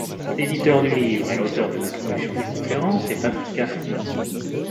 L'éditeur du livre et l'auteur des introductions des conférences est Patrick Gaffney.